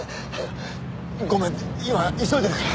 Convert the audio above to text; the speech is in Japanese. ごめん今急いでるから。